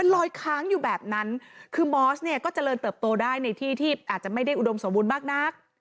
ลอยค้างอยู่แบบนั้นคือมอสเนี่ยก็เจริญเติบโตได้ในที่ที่อาจจะไม่ได้อุดมสมบูรณ์มากนัก